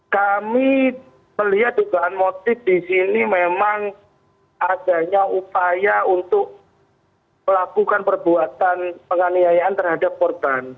kami melihat dugaan motif di sini memang adanya upaya untuk melakukan perbuatan penganiayaan terhadap korban